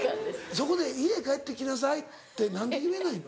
そこで「家帰ってきなさい」って何で言えないの？